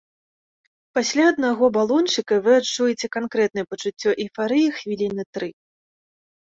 Пасля аднаго балончыка вы адчуеце канкрэтнае пачуццё эйфарыі хвіліны тры.